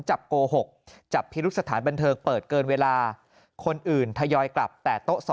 โกหกจับพิรุษสถานบันเทิงเปิดเกินเวลาคนอื่นทยอยกลับแต่โต๊ะ๒